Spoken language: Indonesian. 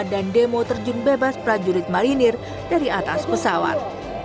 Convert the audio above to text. dan demo terjun bebas prajurit marinir dari atas pesawat